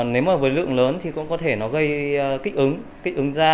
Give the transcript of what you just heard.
nếu mà với lượng lớn thì cũng có thể nó gây kích ứng kích ứng da